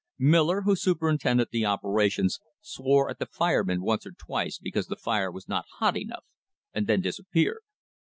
Miller, who superintended the operations, swore at the fireman once or twice because the fire was not hot enough, and then disappeared.